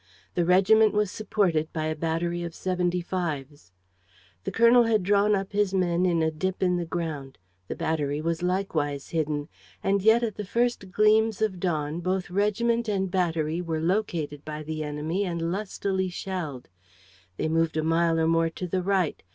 The regiment was supported by a battery of seventy fives. The colonel had drawn up his men in a dip in the ground. The battery was likewise hidden. And yet, at the first gleams of dawn, both regiment and battery were located by the enemy and lustily shelled. They moved a mile or more to the right.